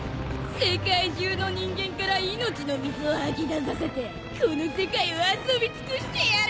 世界中の人間から命の水を吐き出させてこの世界を遊び尽くしてやる！